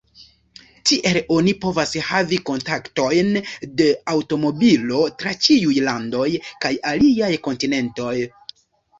Tiel oni povas havi kontaktojn de aŭtomobilo tra ĉiuj landoj kaj aliaj kontinentoj.